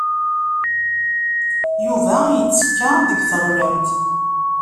Yuba yettekka deg teɣlamt.